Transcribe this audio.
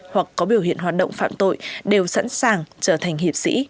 hoặc có biểu hiện hoạt động phạm tội đều sẵn sàng trở thành hiệp sĩ